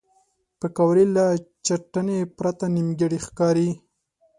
پکورې له چټنې پرته نیمګړې ښکاري